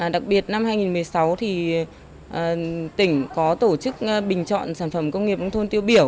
đặc biệt năm hai nghìn một mươi sáu thì tỉnh có tổ chức bình chọn sản phẩm công nghiệp nông thôn tiêu biểu